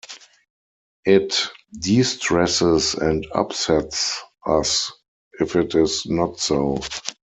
It distresses and upsets us if it is not so.